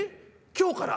今日から？